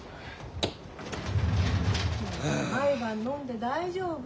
毎晩飲んで大丈夫？